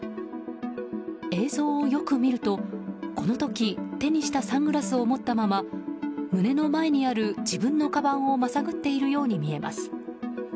映像をよく見ると、この時手にしたサングラスを持ったまま胸の前にある自分のかばんをまさぐっているように見えます。